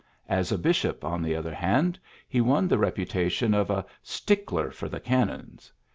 As a bishop on the other hand, he won the reputation of ^^a stickler for the canons."